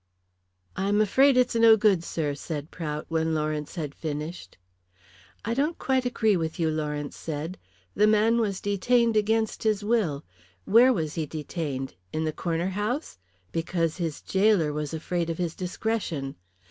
"I'm afraid it's no good, sir," said Prout when Lawrence had finished. "I don't quite agree with you," Lawrence said. "The man was detained again his will. Where was he detained? In the Corner House? Because his gaoler was afraid of his discretion.